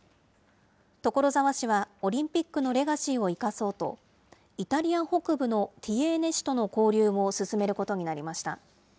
所沢市はオリンピックのレガシーを生かそうと、イタリア北部のティエーネ市との交流を進めることになりました。